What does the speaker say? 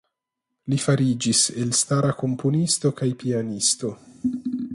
Li fariĝis elstara komponisto kaj pianisto.